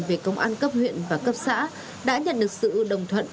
về công an cấp huyện và cấp xã đã nhận được sự đồng thuận